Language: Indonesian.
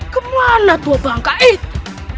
kemana dua bangka itu